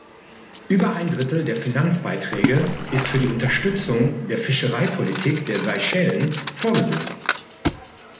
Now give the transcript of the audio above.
Über ein Drittel der Finanzbeiträge ist für die Unterstützung der Fischereipolitik der Seychellen vorgesehen.